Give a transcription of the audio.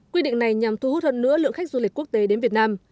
quy định này nhằm thu hút hơn nữa lượng khách du lịch quốc tế đến việt nam